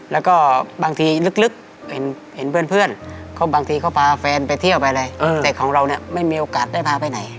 แล้วก็บางทีลึกเห็นเพื่อนเขาบางทีเขาพาแฟนไปเที่ยวไปอะไรแต่ของเราเนี่ยไม่มีโอกาสได้พาไปไหน